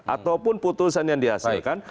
ataupun putusan yang dihasilkan